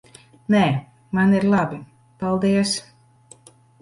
Nē, man ir labi. Paldies.